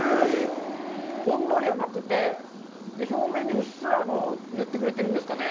ほんのり甘くて、表面にうっすら塗ってくれてるんですかね。